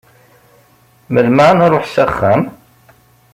Melmi ad nruḥ s axxam?